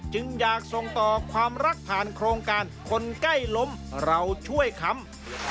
จึงอยากส่งต่อความรักผ่านโครงการคนใกล้ล้มเราช่วยคำ